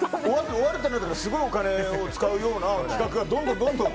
終わるってなるとすごいお金を使うような企画がどんどん。